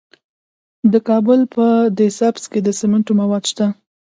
د کابل په ده سبز کې د سمنټو مواد شته.